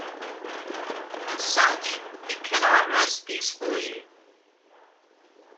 As such, they cannot rest peacefully.